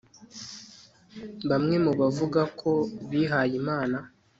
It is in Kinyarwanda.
bamwe mu bavuga ko bihayimana